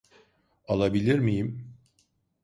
Alabilir miyim?